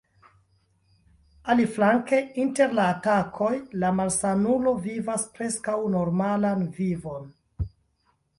Aliflanke, inter la atakoj, la malsanulo vivas preskaŭ normalan vivon.